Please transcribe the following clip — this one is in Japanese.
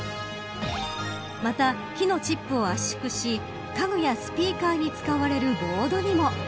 また、木のチップを圧縮し家具やスピーカーに使われるボードにも。